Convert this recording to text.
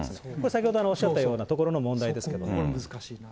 先ほどおっしゃったようなところの問題ですけどね。